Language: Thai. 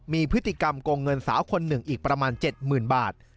มีพฤติกรรมโกงเงินสาวคนหนึ่งอีกประมาณ๗๐๐๐บาท